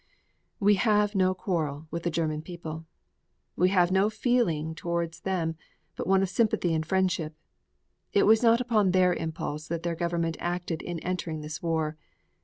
We have no quarrel with the German people. We have no feeling towards them but one of sympathy and friendship. It was not upon their impulse that their government acted in entering this war.